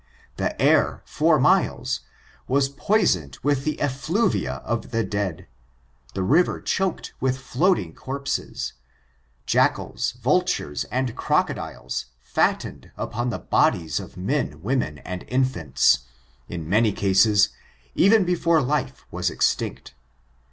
The air, for miles, was poisoned with the effluvia of the dead — the river choked with floating corpses ; jackalls, vultures and crocodiles, fattened upon the bodies of men, women and infants, in many cases, even before life was ex tinct.